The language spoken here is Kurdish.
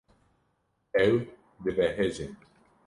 Ew dibehece.